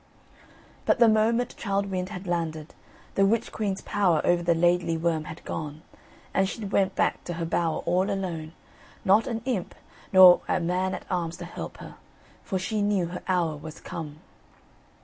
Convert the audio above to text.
But the moment Childe Wynd had landed, the witch queen's power over the Laidly Worm had gone, and she went back to her bower all alone, not an imp, nor a man at arms to help her, for she knew her hour was come.